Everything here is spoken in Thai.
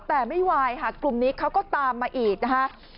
แต่ไม่ไหวค่ะกลุ่มนี้เขาก็ตามมาอีกนะคะ